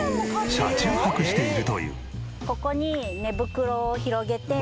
ここに寝袋を広げて。